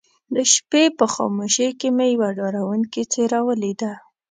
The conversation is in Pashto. د شپې په خاموشۍ کې مې يوه ډارونکې څېره وليده.